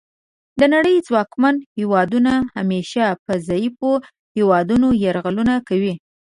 د نړۍ ځواکمن هیوادونه همیشه په ضعیفو هیوادونو یرغلونه کوي